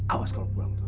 awas kalau pulang tuh